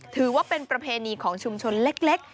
ถือว่าเป็นประเพณีของชุมชนเล็ก